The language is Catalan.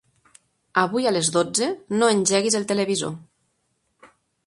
Avui a les dotze no engeguis el televisor.